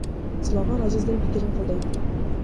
Диловар Азиздин пикирин колдойт.